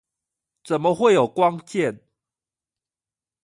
怎麼會有光劍